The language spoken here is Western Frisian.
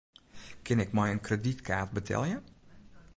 Kin ik mei in kredytkaart betelje?